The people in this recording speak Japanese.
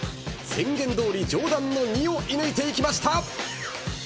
宣言どおり上段の２を射抜いていきました。